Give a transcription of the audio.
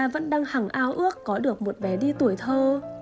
vẫn đang hàng ao ước có được một bé đi tuổi thơ